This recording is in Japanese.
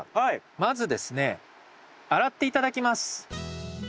まずですね洗って頂きます。